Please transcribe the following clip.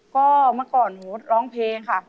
ก็เมื่อก่อนลองเพลงค่ะ